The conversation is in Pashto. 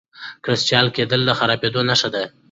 کرسټالي کېدل د خرابېدو نښه نه ده.